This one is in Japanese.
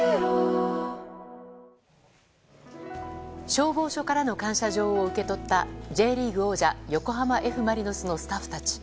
消防署からの感謝状を受け取ったＪリーグ王者横浜Ｆ・マリノスのスタッフたち。